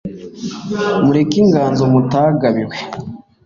mureke inganzo mutagabiwe